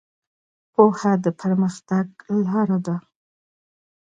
پوهه د پرمختګ لاره ده.